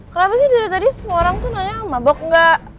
kenapa sih dari tadi semua orang tuh nanya mabok enggak